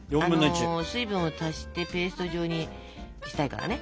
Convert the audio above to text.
水分を足してペースト状にしたいからね。